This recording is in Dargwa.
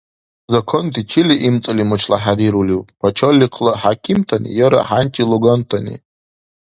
Законти чили имцӀали мучлахӀедирулив — пачалихъла хӀякимтани яра хӀянчи лугантани